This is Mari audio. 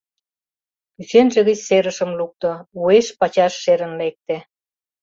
Кӱсенже гыч серымашым лукто, уэш-пачаш шерын лекте.